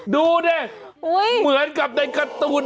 ดูดิเหมือนกับในการ์ตูน